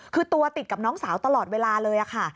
คือตัวติดกับน้องสาวตลอดเวลาเลยค่ะ